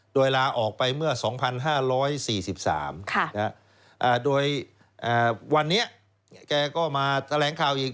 โดยลาออกไปเมื่อ๒๕๔๓โดยวันนี้แกก็มาแถลงข่าวอีก